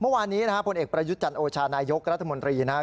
เมื่อวานนี้นะครับผลเอกประยุทธ์จันโอชานายกรัฐมนตรีนะครับ